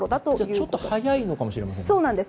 ちょっと早いのかもしれませんね。